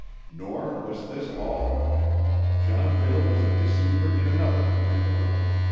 Nor was this all; John Bill was a deceiver in another particular.